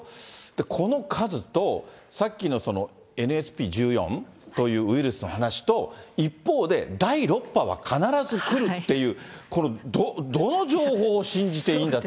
この数と、さっきのｎｓｐ１４というウイルスの話と、一方で、第６波は必ず来るっていう、これ、どの情報を信じていいんだと。